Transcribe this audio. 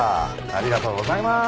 ありがとうございます。